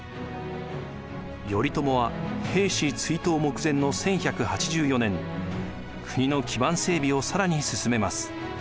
頼朝は平氏追討目前の１１８４年国の基盤整備を更に進めます。